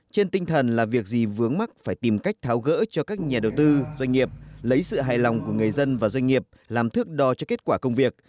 trên tinh thần là việc gì vướng mắt phải tìm cách tháo gỡ cho các nhà đầu tư doanh nghiệp lấy sự hài lòng của người dân và doanh nghiệp làm thước đo cho kết quả công việc